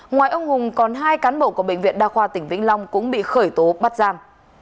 ngoài ông hùng còn hai cán bộ của bệnh viện đa khoa tỉnh vĩnh long cũng bị khởi tố bắt giam